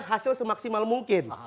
hasil semaksimal mungkin